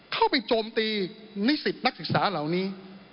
โจมตีนิสิตนักศึกษาเหล่านี้